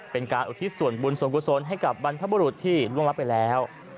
เป็นการอุทิศส่วนบุญส่วนกุศลให้กับบรรพบุรุษที่ล่วงรับไปแล้ว